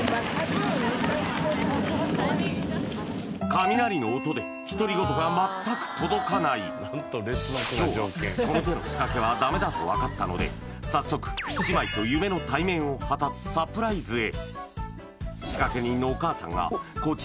雷の音で独り言が全く届かないだと分かったので早速姉妹と夢の対面を果たすサプライズへ！